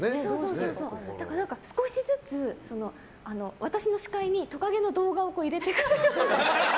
だから、少しずつ私の視界にトカゲの動画を入れてきてて。